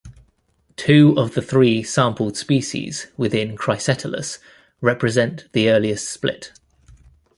Two of the three sampled species within "Cricetulus" represent the earliest split.